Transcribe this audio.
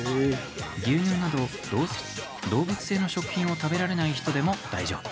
牛乳など、動物性の食品を食べられない人でも大丈夫。